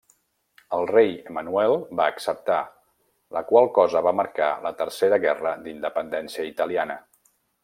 El rei Emmanuel va acceptar, la qual cosa va marcar la Tercera guerra d'independència italiana.